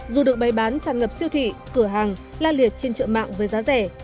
dù được bày bán tràn ngập siêu thị cửa hàng la liệt trên chợ mạng với giá rẻ